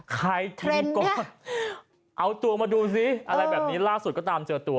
ใครทิ้งก่อนเอาตัวมาดูซิอะไรแบบนี้ล่าสุดก็ตามเจอตัว